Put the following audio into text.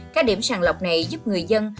các điểm sàng lọc này giúp người dân